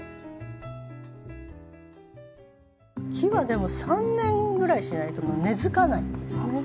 木はでも３年ぐらいしないと根付かないんですね。